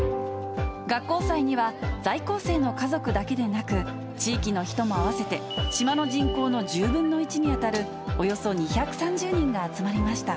学校祭には、在校生の家族だけでなく、地域の人も合わせて、島の人口の１０分の１に当たるおよそ２３０人が集まりました。